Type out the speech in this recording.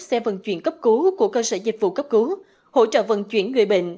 xe vận chuyển cấp cứu của cơ sở dịch vụ cấp cứu hỗ trợ vận chuyển người bệnh